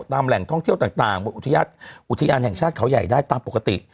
แหล่งท่องเที่ยวต่างอุทยานแห่งชาติเขาใหญ่ได้ตามปกติ